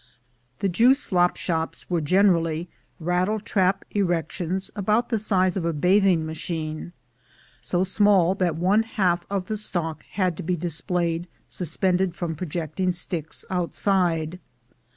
The Jew slop shops were generally rattletrap erec tions about the size of a bathing machine, so small that one half of the stock had to be displayed suspended from projecting sticks outside.